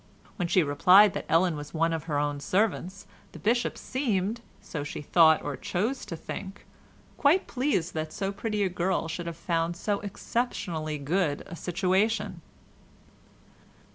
When she replied that Ellen was one of her own servants, the bishop seemed, so she thought or chose to think, quite pleased that so pretty a girl should have found so exceptionally good a situation.